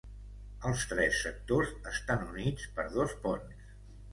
Els tres sectors estan units per dos ponts.